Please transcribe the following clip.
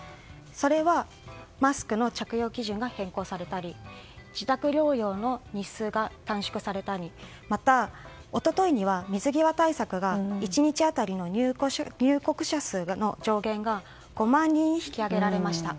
それはマスクの着用基準が変更されたり自宅療養の日数が短縮されたりまた一昨日には水際対策が１日当たりの入国者数の上限が５万人に引き上げられました。